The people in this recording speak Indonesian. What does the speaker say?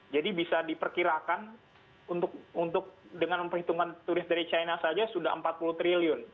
jadi bisa diperkirakan untuk dengan memperhitungkan turis dari china saja sudah rp empat puluh triliun